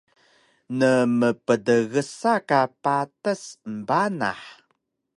Nemptgsa ka patas embanah